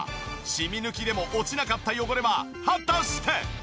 シミ抜きでも落ちなかった汚れは果たして？